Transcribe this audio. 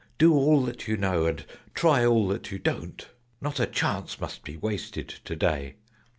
Do all that you know, and try all that you don't: Not a chance must be wasted to day!